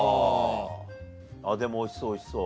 あっでもおいしそうおいしそう。